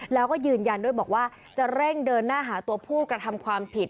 แล้วก็ยืนยันด้วยบอกว่าจะเร่งเดินหน้าหาตัวผู้กระทำความผิด